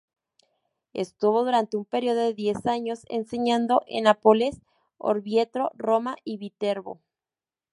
Estuvo durante un periodo de diez años enseñando en Nápoles, Orvieto, Roma y Viterbo.